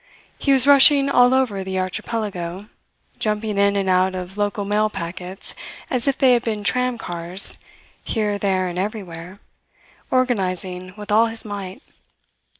He was rushing all over the Archipelago, jumping in and out of local mail packets as if they had been tram cars, here, there, and everywhere organizing with all his might.